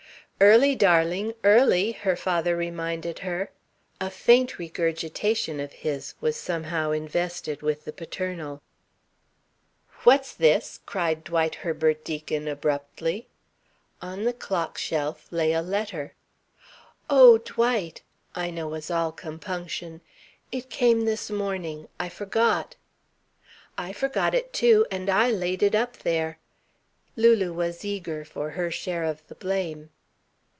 "Early, darling, early!" her father reminded her. A faint regurgitation of his was somehow invested with the paternal. "What's this?" cried Dwight Herbert Deacon abruptly. On the clock shelf lay a letter. "Oh, Dwight!" Ina was all compunction. "It came this morning. I forgot." "I forgot it too! And I laid it up there." Lulu was eager for her share of the blame.